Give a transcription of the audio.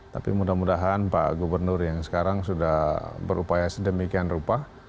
tapi mudah mudahan pak gubernur yang sekarang sudah berupaya sedemikian rupa